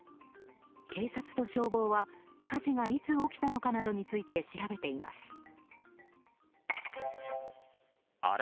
警察と消防は火事がいつ起きたのかなどについて調べています。